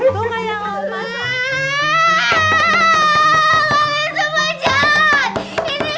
ah kalian semua jahat